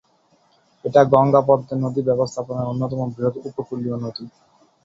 এটা গঙ্গা-পদ্মা নদী ব্যবস্থাপনার অন্যতম বৃহৎ উপকূলীয় নদী।